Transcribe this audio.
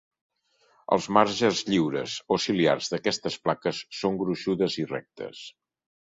Els marges lliures o ciliars d'aquestes plaques són gruixudes i rectes.